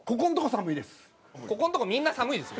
ここのとこみんな寒いですよ。